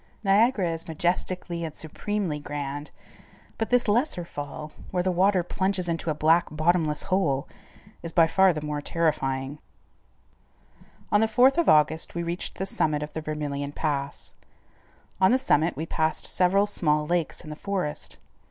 Niagara is majestically and supremely grand, but this lesser fall, where the water plunges into a black bottomless hole, is by far the more terrifying. [Illustration: Lake on Vermilion Pass.] On the fourth of August we reached the summit of the Vermilion Pass. On the summit we passed several small lakes in the forest.